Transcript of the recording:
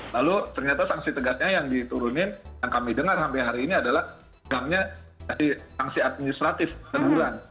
lalu ternyata sanksi tegasnya yang diturunin yang kami dengar sampai hari ini adalah gamnya dari sanksi administratif teguran